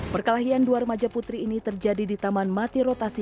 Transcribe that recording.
perkelahian dua remaja putri ini terjadi di taman mati rotasi